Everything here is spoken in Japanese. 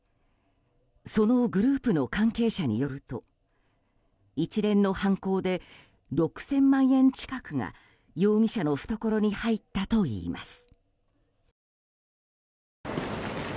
そのグループの関係者によると一連の犯行で６０００万円近くが容疑者の懐に入ったといいます。